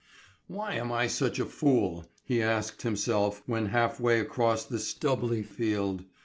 "Why am I such a fool?" he asked himself when half way across this stubbly field.